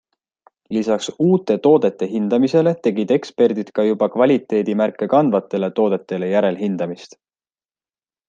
Lisaks uute toodete hindamisele tegid eksperdid ka juba kvaliteedimärke kandvatele toodetele järelhindamist.